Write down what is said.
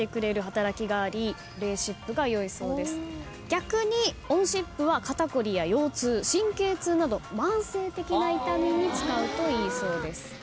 逆に温湿布は肩凝りや腰痛神経痛など慢性的な痛みに使うといいそうです。